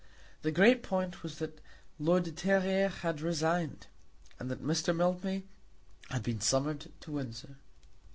The great point was that Lord de Terrier had resigned, and that Mr. Mildmay had been summoned to Windsor.